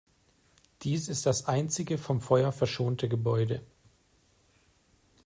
Dies ist das einzige vom Feuer verschonte Gebäude.